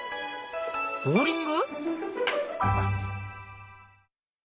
ボウリング？